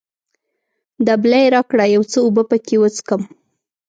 دبلی راکړه، یو څه اوبه پکښې وڅښم.